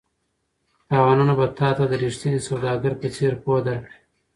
تاوانونه به تا ته د ریښتیني سوداګر په څېر پوهه درکړي.